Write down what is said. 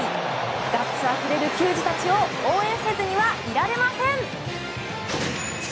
ガッツあふれる球児たちを応援せずにはいられません。